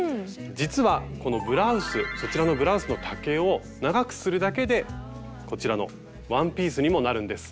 実はこのブラウスそちらのブラウスの丈を長くするだけでこちらのワンピースにもなるんです。